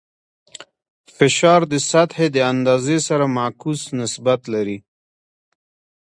فشار د سطحې د اندازې سره معکوس نسبت لري.